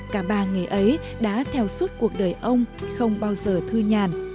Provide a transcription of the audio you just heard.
cả ba nghề ấy đã theo suốt cuộc đời ông không bao giờ thư nhàn